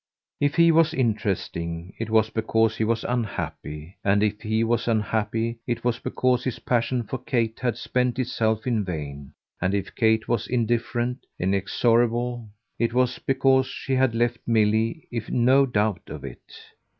If he was interesting it was because he was unhappy; and if he was unhappy it was because his passion for Kate had spent itself in vain; and if Kate was indifferent, inexorable, it was because she had left Milly in no doubt of it.